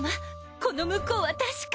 この向こうはたしか。